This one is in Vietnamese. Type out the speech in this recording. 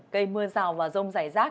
cây mưa rào và rông rải rác